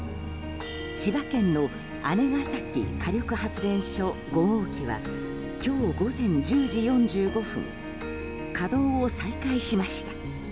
千葉県の姉崎火力発電所５号機は今日午前１０時４５分稼働を再開しました。